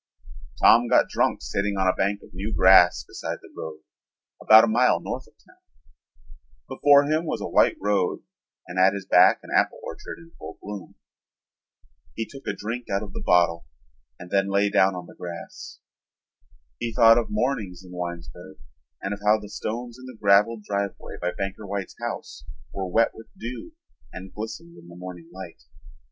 Tom got drunk sitting on a bank of new grass beside the road about a mile north of town. Before him was a white road and at his back an apple orchard in full bloom. He took a drink out of the bottle and then lay down on the grass. He thought of mornings in Winesburg and of how the stones in the graveled driveway by Banker White's house were wet with dew and glistened in the morning light.